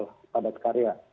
pada sektor padat karya